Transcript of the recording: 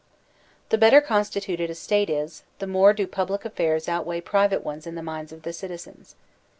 The better constituted a State is, the more do public affairs outweigh private ones in the minds of the citi zens.